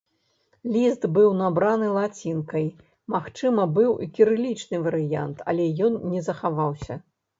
Ліст быў набраны лацінкай, магчыма быў і кірылічны варыянт, але ён не захаваўся.